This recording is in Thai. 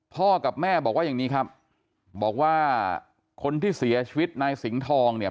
พ่อกับแม่บอกว่าอย่างนี้ครับบอกว่าคนที่เสียชีวิตนายสิงห์ทองเนี่ย